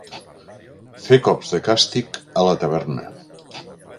Fer cops de càstig a la taverna.